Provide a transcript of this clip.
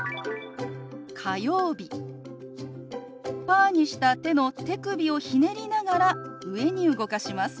パーにした手の手首をひねりながら上に動かします。